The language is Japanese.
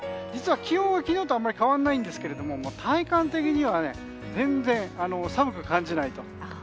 実は気温は昨日とあまり変わらないんですが体感的には全然、寒く感じないと。